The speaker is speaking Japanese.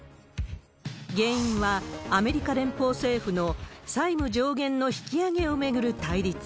原因はアメリカ連邦政府の債務上限の引き上げを巡る対立。